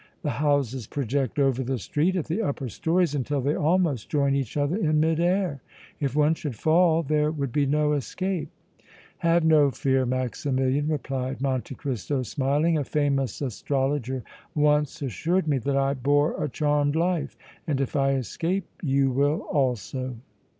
"The houses project over the street at the upper stories until they almost join each other in mid air. If one should fall there would be no escape!" "Have no fear, Maximilian!" replied Monte Cristo, smiling. "A famous astrologer once assured me that I bore a charmed life, and if I escape you will also!"